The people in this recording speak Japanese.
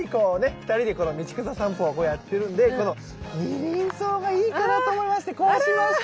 二人でこの道草さんぽやってるんでこのニリンソウがいいかなと思いましてこうしました！